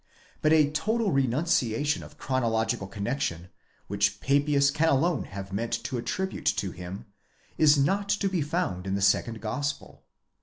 But a total renunciation of chronological connexion, which Papias can alone have meant to attribute to him, is not to be found in the second Gospel.